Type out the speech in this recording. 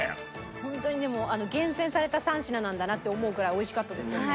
ホントにでも厳選された３品なんだなって思うくらい美味しかったですよね。